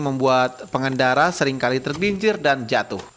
membuat pengendara seringkali terbincir dan jatuh